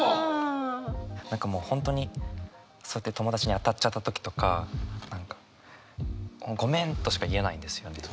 何か本当にそうやって友達に当たっちゃった時とか「ごめん」としか言えないんですよね。